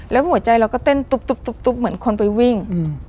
แล้วหัวใจเราก็เต้นตุ๊บเหมือนคนไปวิ่ง